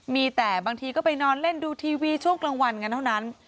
มีแต่บางทีก็ไปนอนเล่นดูทีวีช่วงกลางวันกันเท่านั้น